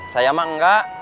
saya mah enggak